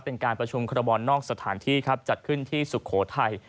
เป็นการประชุมคอรบอลนอกสถานที่ครับจัดขึ้นที่สุโขทัย